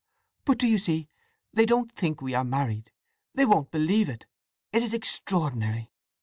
"But do you see they don't think we are married? They won't believe it! It is extraordinary!"